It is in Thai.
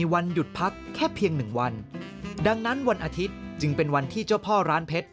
วันอาทิตย์จึงเป็นวันที่เจ้าพ่อร้านเพชร